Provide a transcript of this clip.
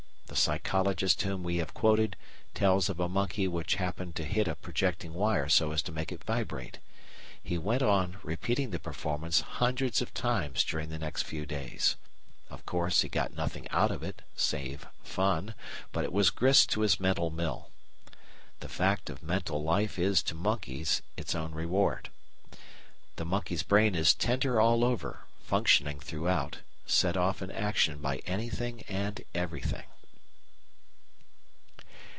The psychologist whom we have quoted tells of a monkey which happened to hit a projecting wire so as to make it vibrate. He went on repeating the performance hundreds of times during the next few days. Of course, he got nothing out of it, save fun, but it was grist to his mental mill. "The fact of mental life is to monkeys it own reward." The monkey's brain is "tender all over, functioning throughout, set off in action by anything and everything."